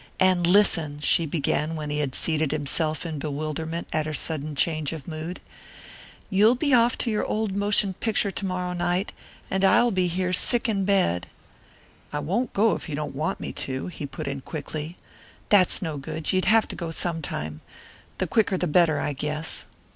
"And listen," she began, when he had seated himself in bewilderment at her sudden change of mood, "you'll be off to your old motion picture to morrow night, and I'll be here sick in bed " "I won't go if you don't want me to," he put in quickly. "That's no good; you'd have to go sometime. The quicker the better, I guess.